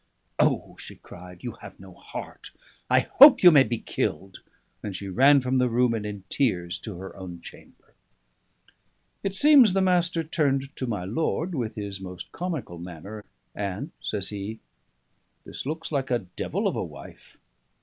"O!" she cried, "you have no heart I hope you may be killed!" and she ran from the room, and in tears, to her own chamber. It seems the Master turned to my lord with his most comical manner, and says he, "This looks like a devil of a wife."